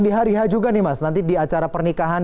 di hari h juga nih mas nanti di acara pernikahan